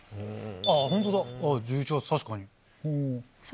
あホントだ１１月確かに。